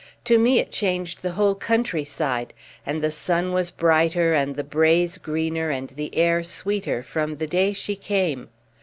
To me it changed the whole country side, and the sun was brighter and the braes greener and the air sweeter from the day she came.